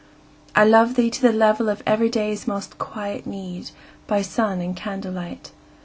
I love thee to the level of everyday's Most quiet need, by sun and candlelight.